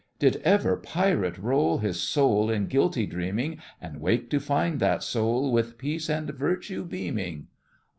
Did ever pirate roll His soul in guilty dreaming, And wake to find that soul With peace and virtue beaming?